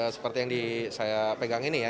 seperti yang saya pegang ini ya